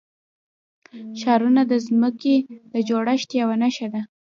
ښارونه د ځمکې د جوړښت یوه نښه ده.